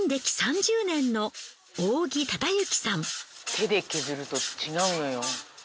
手で削ると違うのよ。